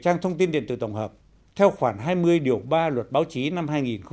trang thông tin điện tử tổng hợp theo khoảng hai mươi điều ba luật báo chí năm hai nghìn một mươi